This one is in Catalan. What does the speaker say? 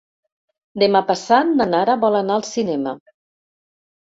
Demà passat na Nara vol anar al cinema.